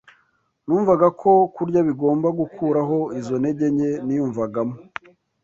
Numvaga ko kurya bigomba gukuraho izo ntege nke niyumvagamo